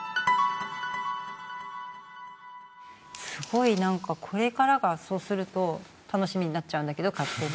すごいなんかこれからがそうすると楽しみになっちゃうんだけど勝手に。